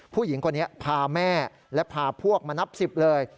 ผู้หญิงคนนี้พาแม่และพาพวกมานับ๑๐เลย